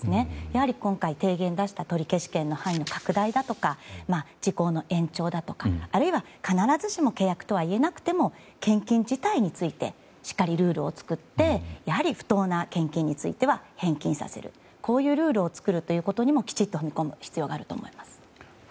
やはり今回、提言を出した取消権の範囲の拡大だとか時効の延長だとか、あるいは必ずしも契約とは言えなくても献金自体についてしっかりルールを作ってやはり不当な献金については返金させるこういうルールを作ることにも踏み込む必要があると思います。